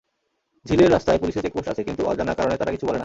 ঝিলের রাস্তায় পুলিশের চেকপোস্ট আছে, কিন্তু অজানা কারণে তারা কিছু বলে না।